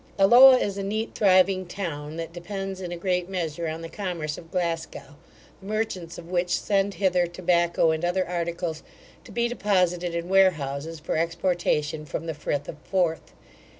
Alloa is a neat thriving town, that depends in a great measure on the commerce of Glasgow, the merchants of which send hither tobacco and other articles, to be deposited in warehouses for exportation from the Frith of Forth.